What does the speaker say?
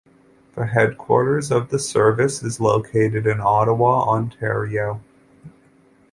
The headquarters of the service is located in Ottawa, Ontario.